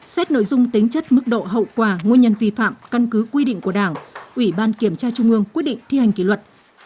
xét nội dung tính chất mức độ hậu quả nguyên nhân vi phạm căn cứ quy định của đảng ủy ban kiểm tra trung ương quyết định thi hành kỷ luật